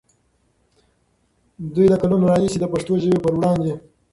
دوی له کلونو راهیسې د پښتو ژبې پر وړاندې